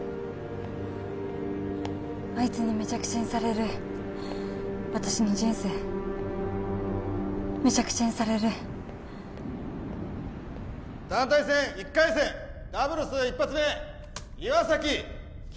あいつにめちゃくちゃにされる私の人生めちゃくちゃにされる団体戦１回戦ダブルス１発目岩崎清